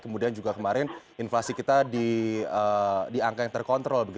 kemudian juga kemarin inflasi kita di angka yang terkontrol